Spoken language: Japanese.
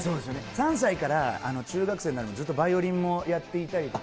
３歳から中学生になるまで、ずっとバイオリンもやっていたりとか。